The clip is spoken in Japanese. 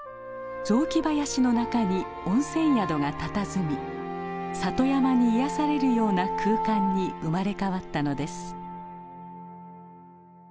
雑木林の中に温泉宿がたたずみ里山に癒やされるような空間に生まれ変わったのです。